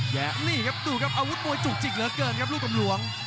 นี่ครับดูครับอาวุธมวยจุกจิกเหลือเกินครับลูกกำหลวง